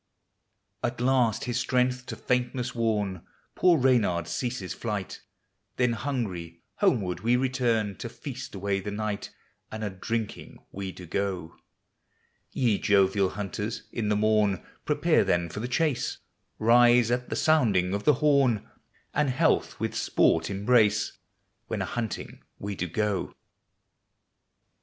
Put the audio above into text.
At last his strength to faintnesg worn, Poor Reynard ceases flight; Then hungry, homeward we return, To feast away the night, And a drinking we do go. Ye jovial hunters, in the morn Prepare then for the chase; Rise at the sounding of the horn And health with sport embrace, When a hunting we do go.